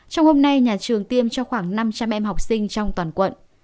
trong hôm nay nhà trường tiêm cho khoảng năm trăm linh em học sinh trong toàn quận